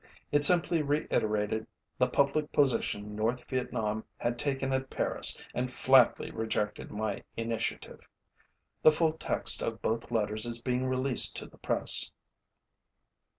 It simply reiterated the public position North Vietnam had taken at Paris and flatly rejected my initiative. The full text of both letters is being released to the press.